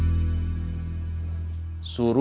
tidak ada apa apa